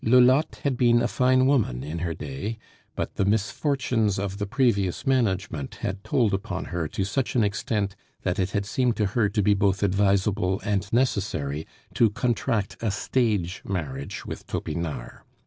Lolotte had been a fine woman in her day; but the misfortunes of the previous management had told upon her to such an extent, that it had seemed to her to be both advisable and necessary to contract a stage marriage with Topinard.